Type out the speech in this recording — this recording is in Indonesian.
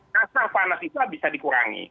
kasar panas itu bisa dikurangi